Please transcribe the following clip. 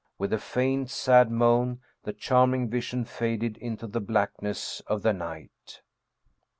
With a faint, sad moan, the charming vision faded into the blackness of the night.